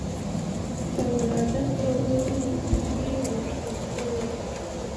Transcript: د ولادت د ورځو رخصتي غوښتل شوې.